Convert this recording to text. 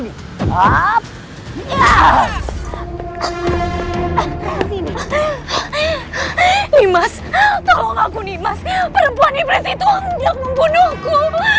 nimas tolong aku nimas perempuan iblis itu mbak membunuhku